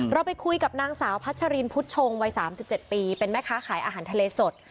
เราไปคุยกับนางสาวพัชรินพุทธชงวัย๓๗ปีเป็นแม่ค้าขายอาหารทะเลสด